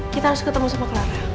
kita harus ketemu sama clara